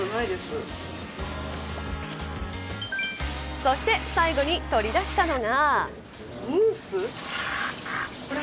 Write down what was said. そして最後に取り出したのが。